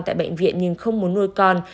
tại bệnh viện nhưng không muốn nuôi con